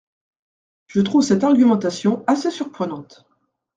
Je trouve cette argumentation assez surprenante.